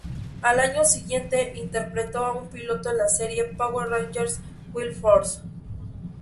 Al año siguiente, interpretó a un piloto en la serie "Power Rangers Wild Force".